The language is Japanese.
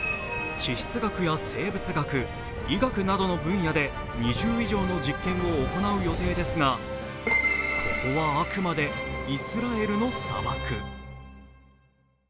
地質学や生物学、医学などの分野で２０以上の実験を行う予定ですがここはあくまでイスラエルの砂漠。